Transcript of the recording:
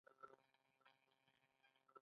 د بانف ملي پارک ښکلی دی.